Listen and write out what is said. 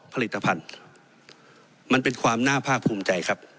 ผลิตภัณฑ์มันเป็นความน่าภาคภูมิใจครับ